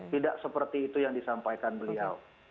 tidak seperti itu yang disampaikan beliau